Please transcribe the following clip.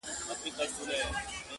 اوس مي د زړه كورگى تياره غوندي دى,